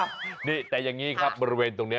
นี่แต่อย่างนี้ครับบริเวณตรงนี้